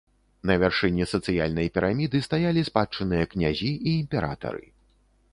На вяршыні сацыяльнай піраміды стаялі спадчынныя князі і імператары.